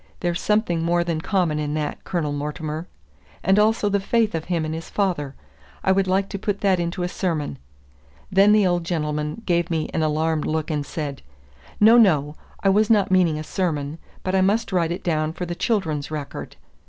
There's something more than common in that, Colonel Mortimer. And also the faith of him in his father! I would like to put that into a sermon." Then the old gentleman gave me an alarmed look, and said, "No, no; I was not meaning a sermon; but I must write it down for the 'Children's Record.